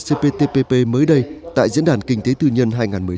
cptpp mới đây tại diễn đàn kinh tế tư nhân hai nghìn một mươi chín